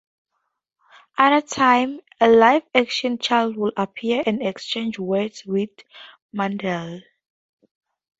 Other times, a live action child would appear and exchange words with Mandel.